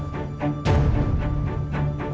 bisa aku sendiri